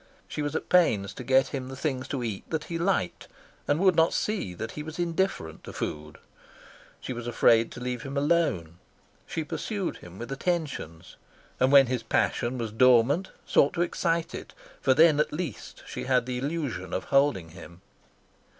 She was at pains to get him the things to eat that he liked, and would not see that he was indifferent to food. She was afraid to leave him alone. She pursued him with attentions, and when his passion was dormant sought to excite it, for then at least she had the illusion of holding him.